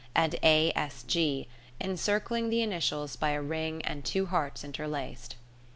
and A. S. G., encircling the initials by a ring and two hearts interlaced.